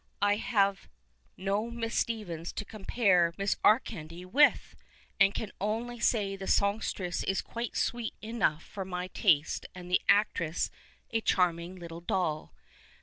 I have no Miss Stephens to compare Miss Arkandy 180 "THE BEGGAR'S OPERA" with, and can only say the songstress is quite sweet enough for my taste and the actress a charming little doll.